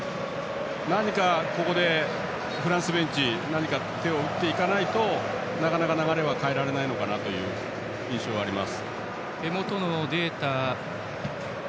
何かここでフランスベンチは手を打っていかないとなかなか流れは変えられないのかなという印象があります。